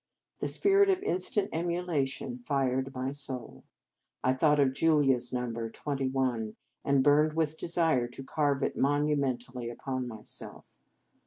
The spirit of instant emulation fired my soul. I thought of Julia s number, twenty one, and burned with desire to carve it monumentally upon myself.